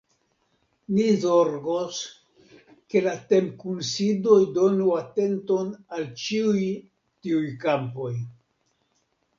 Ni zorgos, ke la temkunsidoj donu atenton al ĉiuj tiuj kampoj.